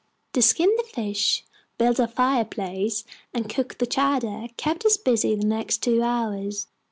To skin the fish, build our fireplace, and cook the chowder kept us busy the next two hours.